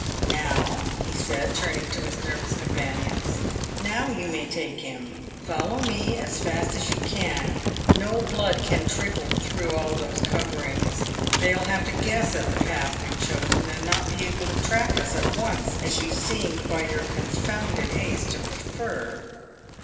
"Now," he said, turning to his nervous companions —" now you may take him. Follow me as fast as you can. No blood can trickle through all those coverings. They will have to guess at the path we have chosen, and not be able to track us at once, as you seemed by your confounded haste to prefer."